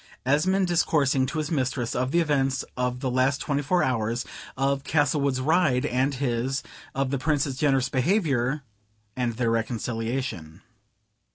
Esmond discoursing to his mistress of the events of the last twenty four hours; of Castlewood's ride and his; of the Prince's generous behavior and their reconciliation.